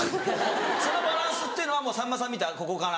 そのバランスっていうのはさんまさん見たらここかな？